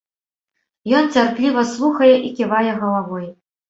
Ён цярпліва слухае і ківае галавой.